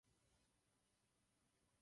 Zkráceno.